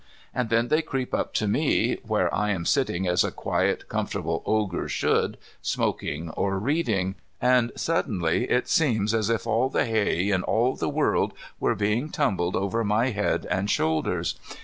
And then they creep up to me, where I am sitting as a quiet comfortable Ogre should, smoking or reading. And suddenly it seems as if all the hay in all the world were being tumbled over my head and shoulders.